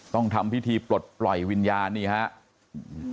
ต้องทำพิธีปลดปล่อยวิญญาณนี่ครับ